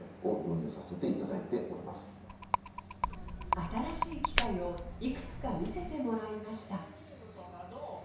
新しい機械をいくつか見せてもらいました。